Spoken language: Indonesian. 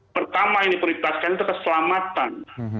pertama yang diperintahkan itu keselamatan